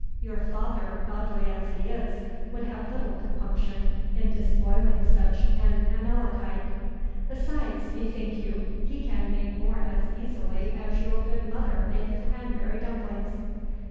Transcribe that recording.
Your father, godly as he is, would have little compunction in despoiling such an Amalekite. Besides, bethink you, he can make more as easily as your good mother maketh cranberry dumplings.